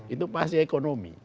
itu masih ekonomi